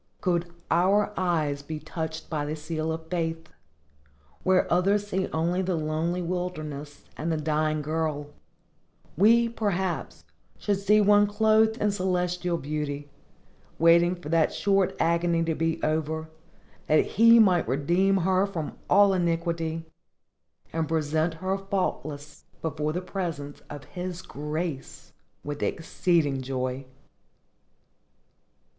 Could our eyes be touched by the seal of faith, where others see only the lonely wilderness and the dying girl, we, perhaps, should see one clothed in celestial beauty, waiting for that short agony to be over, that He might redeem her from all iniquity, and present her faultless before the presence of his Grace with exceeding joy!